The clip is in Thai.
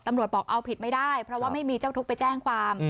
ตำรวจบอกเอาผิดไม่ได้เพราะว่าไม่มีเจ้าทุกข์ไปแจ้งความ